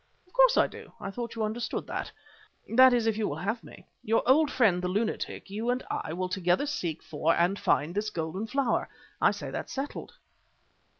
"Of course I do. I thought you understood that. That is, if you will have me. Your old friend, the lunatic, you and I will together seek for and find this golden flower. I say that's settled."